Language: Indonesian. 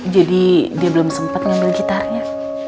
jadi dia belum sempet ngambil gitarnya